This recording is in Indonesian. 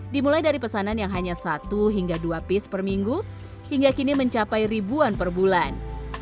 dimulai dari pesanan yang hanya satu hingga dua piece perminggu hingga kini mencapai ribuan perbulan